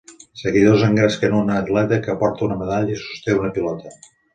Seguidors engresquen un atleta que porta una medalla i sosté una pilota.